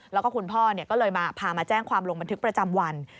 แล้วก็คุณพ่อก็เลยมาพามาแจ้งความลงบันทึกประจำวัน